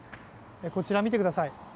こちら、見てください。